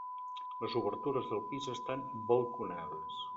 Les obertures del pis estan balconades.